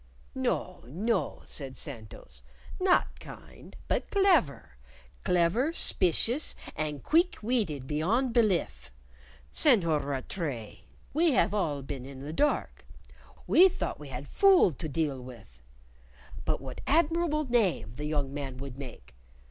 "No, no," said Santos; "not kind, but clever! Clever, spicious, and queeck weeted beyond belif! Senhor Rattray, we have all been in the dark; we thought we had fool to die with, but what admirable knave the young man would make!